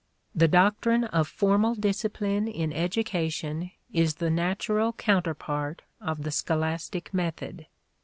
The doctrine of formal discipline in education is the natural counterpart of the scholastic method.